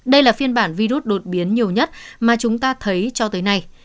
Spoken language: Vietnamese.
đây là phiên bản virus đột biến nhiều nhất mà chúng ta thấy cho tới nay